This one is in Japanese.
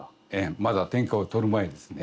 まだ天下を取る前ですね。